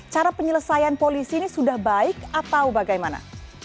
cara penyelesaian polisi ini sudah baik atau bagaimana